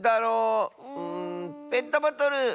ペットボトル！